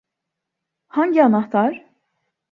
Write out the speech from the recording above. Hangi anahtar?